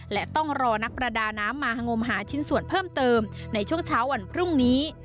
และต้องรอนักประดาน้ำมางมหาชิ้นส่วนเพิ่มเติมในช่วงเช้าวันพรุ่งนี้